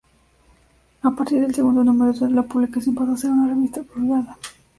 A partir del segundo número la publicación pasó a ser una revista privada.